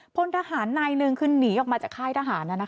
พลทหารนายหนึ่งคือหนีออกมาจากค่ายทหาร